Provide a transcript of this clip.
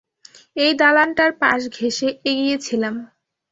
এই দালানটার পাশ ঘেঁষে এগিয়েছিলাম।